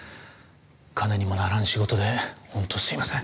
金にもならん仕事でホントすいません。